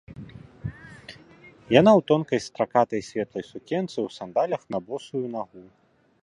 Яна ў тонкай стракатай светлай сукенцы, у сандалях на босую нагу.